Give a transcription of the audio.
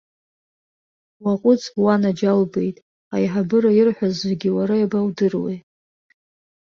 Уаҟәыҵ, уанаџьалбеит, аиҳабыра ирҳәаз зегьы уара иабаудыруеи.